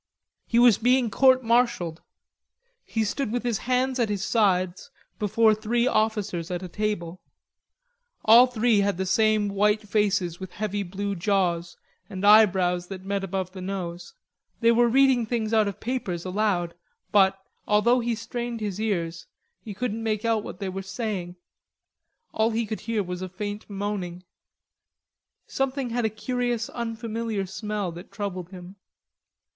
He was being court martialled. He stood with his hands at his sides before three officers at a table. All three had the same white faces with heavy blue jaws and eyebrows that met above the nose. They were reading things out of papers aloud, but, although he strained his ears, he couldn't make out what they were saying. All he could hear was a faint moaning. Something had a curious unfamiliar smell that troubled him.